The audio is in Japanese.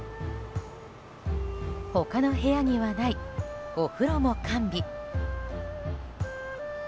他の部屋にはないお風呂も完備。